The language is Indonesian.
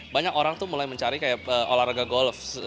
banyak orang mulai mencari olahraga golf